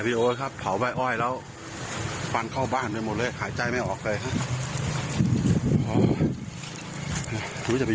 โอ๊ตครับเผาใบ้อ้อยแล้วฟันเข้าบ้านไปหมดเลยหายใจไม่ออกเลยครับ